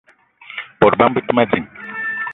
Bot bama be te ma ding.